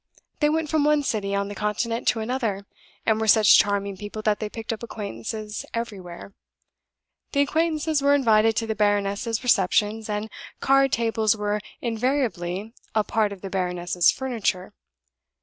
They went from one city on the Continent to another, and were such charming people that they picked up acquaintances everywhere. The acquaintances were invited to the baroness's receptions, and card tables were invariably a part of the baroness's furniture.